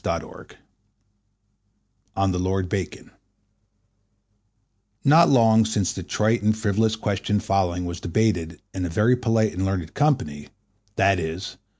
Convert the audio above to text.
Letter XII—On the Lord Bacon NOT long since the trite and frivolous question following was debated in a very polite and learned company, viz.